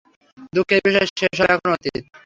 দুঃখের বিষয়, সে সব এখন অতীত।